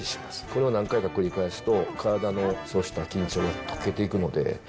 これを何回か繰り返すと、体のそうした緊張が解けていくので。